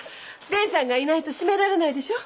伝さんがいないと締められないでしょ？